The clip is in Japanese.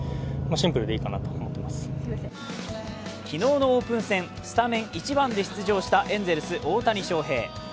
昨日のオープン戦スタメン１番で出場したエンゼルス・大谷翔平。